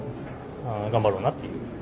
頑張ろうなという。